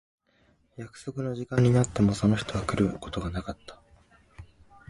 約束の時間になってもその人は来ることがなかった。